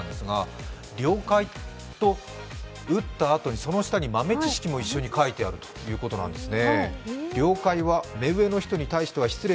「りょうかい」と打ったあとに、その下に豆知識も一緒に書いてあるということなんですね。